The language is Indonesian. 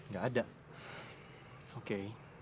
gak ada oke